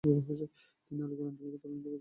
তিনি আলিগড় আন্দোলনকে ত্বরান্বিত করেন।